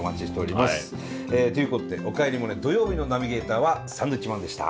ということで「おかえりモネ」土曜日のナビゲーターはサンドウィッチマンでした。